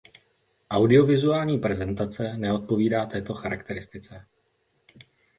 Audiovizuální prezentace neodpovídá této charakteristice.